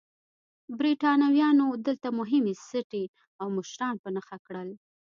برېټانویانو دلته مهمې سټې او مشران په نښه کړل.